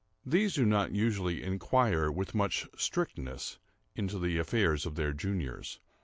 These do not usually inquire with much strictness into the affairs of their juniors.